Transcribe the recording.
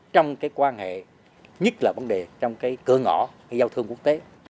trong quan hệ nhất là vấn đề trong cửa ngõ giao thương quốc tế